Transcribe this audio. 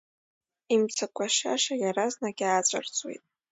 Имҵакәашаша иаразнак иаацәырҵуеит.